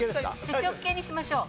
主食系にしましょう。